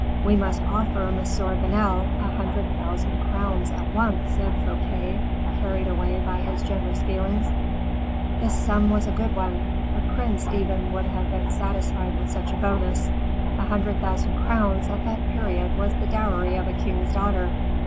"We must offer M. Vanel a hundred thousand crowns at once," said Fouquet, carried away by his generous feelings. The sum was a good one. A prince, even, would have been satisfied with such a bonus. A hundred thousand crowns at that period was the dowry of a king's daughter.